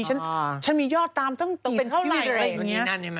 ฉันมียอดตามตั้งตี